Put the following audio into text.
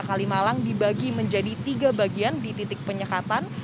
kalimalang dibagi menjadi tiga bagian di titik penyekatan